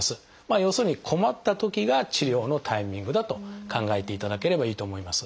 要するに困ったときが治療のタイミングだと考えていただければいいと思います。